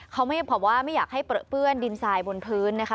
เขาไม่บอกว่าไม่อยากให้เปลือเปื้อนดินทรายบนพื้นนะคะ